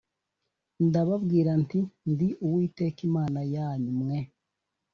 Ndababwira nti Ndi Uwiteka Imana yanyu mwe